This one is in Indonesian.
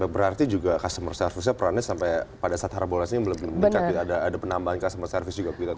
berarti juga customer service nya perannya sampai pada saat harabolas ini belum bisa ada penambahan customer service juga gitu